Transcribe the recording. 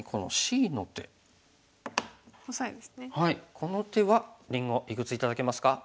この手はりんごいくつ頂けますか？